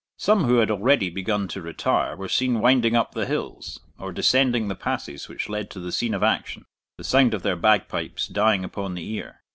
Some, who had already begun to retire, were seen winding up the hills, or descending the passes which led to the scene of action, the sound of their bagpipes dying upon the ear.